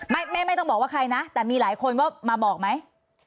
ไม่ต้องบอกว่าใครนะแต่มีหลายคนว่ามาบอกไหม